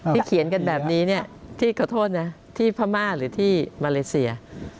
เขียนกันแบบนี้เนี่ยที่ขอโทษนะที่พม่าหรือที่มาเลเซีย